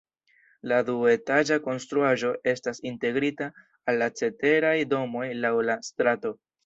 La duetaĝa konstruaĵo estas integrita al la ceteraj domoj laŭ la strato.